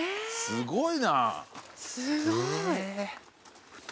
すごい。